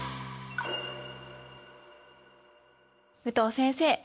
武藤先生。